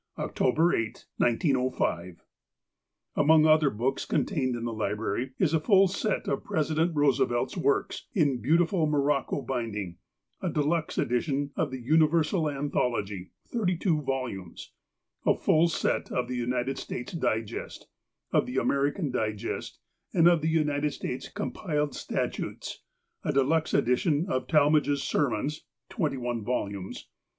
" October 8, 1905 P Among other books contained in the library is a full set of President Eoosevelt's Works, in beautiful morocco bind ng, a <ie luxe edition of Universal Antho ogy S2 vols ), a full set of the United States Digest, of he American Digest, and of the United States Coinpied Statutes, a de luxe edition of Talmage's Sermons C^l vols.)